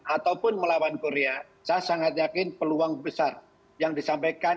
ataupun melawan korea saya sangat yakin peluang besar yang disampaikan